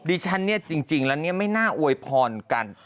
ดิฉันจริงแล้วไม่น่าโวยพรกัน